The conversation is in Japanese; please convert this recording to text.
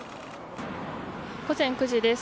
午前９時です。